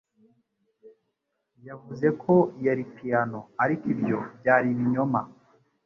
Yavuze ko yari piyano, ariko ibyo byari ibinyoma.